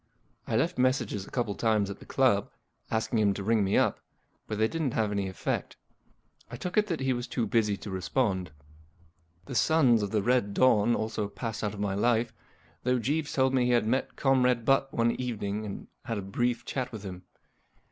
I left messages a couple of times at the club, asking him to ring me up, but they didn't have any effect. I took it that he was too busy to respond. The Sons of the Red Dawn also passed out of my life, though Jeeves told me he had met Comrade Butt one evening and had a brief chat with him.